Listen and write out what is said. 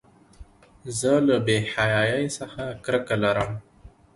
زه له بېحیایۍ څخه کرکه لرم.